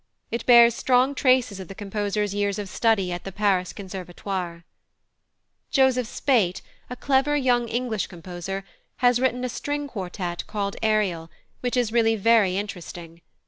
It bears strong traces of the composer's years of study at the Paris Conservatoire. +Joseph Spaight+, a clever young English composer, has written a string quartet called "Ariel," which is really very interesting.